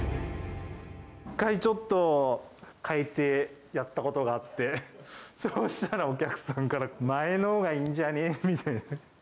１回ちょっと変えてやったことがあって、そしたらお客さんから前のほうがいいんじゃねぇみたいな。